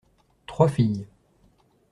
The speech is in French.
Trois filles.